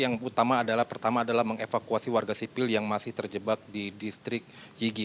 yang utama adalah pertama adalah mengevakuasi warga sipil yang masih terjebak di distrik yigi